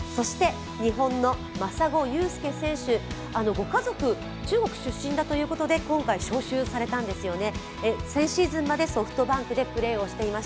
ご家族、中国出身だということで今回、招集されたんですよね。